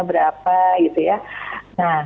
berapa gitu ya nah